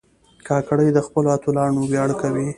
کاکړي د خپلو اتلانو ویاړ کوي.